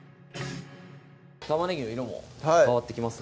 玉ねぎの色も変わってきました